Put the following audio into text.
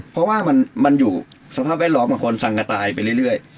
เพราะว่ามันอยู่สภาพแวดล้อมของคนสังกระต่ายไปเรื่อย